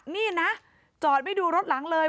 นี่นะจอดไว้ดูรถหลังเลย